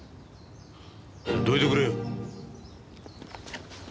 どいてくれよ。